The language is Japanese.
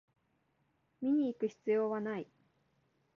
見にいく必要はない